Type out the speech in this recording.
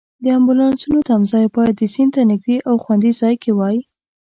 د امبولانسونو تمځای باید سیند ته نږدې او خوندي ځای کې وای.